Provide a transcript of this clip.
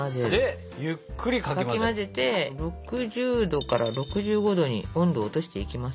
かき混ぜて６０℃から６５℃に温度を落としていきます。